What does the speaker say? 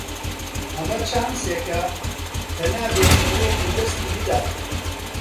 ئەمە چانسێکە کە نابێت مرۆڤ لەدەستی بدات.